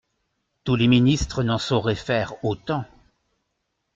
Tous les ministres n'en sauraient faire autant.